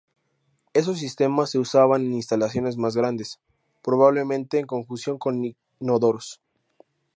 Esos sistemas se usaban en instalaciones más grandes, probablemente en conjunción con inodoros.